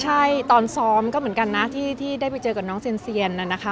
ใช่ตอนซ้อมก็เหมือนกันนะที่ได้ไปเจอกับน้องเซียนนะคะ